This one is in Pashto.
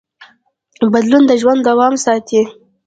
بدلون د ژوند دوام ساتي.